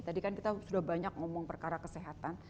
tadi kan kita sudah banyak ngomong perkara kesehatan